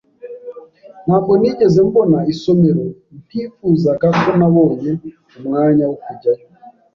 Ntabwo nigeze mbona isomero ntifuzaga ko nabonye umwanya wo kujyayo